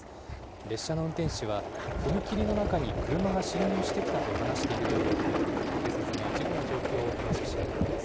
列車の運転士は、踏切の中に車が進入してきたと話しているということで、警察が事故の状況を詳しく調べています。